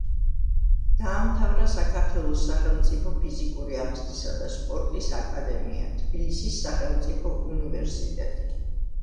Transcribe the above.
დაამთავრა საქართველოს სახელმწიფო ფიზიკური აღზრდისა და სპორტის აკადემია; თბილისის სახელმწიფო უნივერსიტეტი.